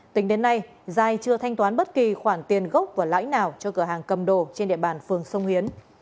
tính đến nay giai chưa thanh toán bất kỳ khoản tiền gốc và lãi nào cho cửa hàng cầm đồ trên địa bàn phường sông hiến